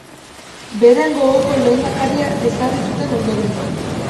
Beren gogoko lehendakaria ezarri zuten ondoren.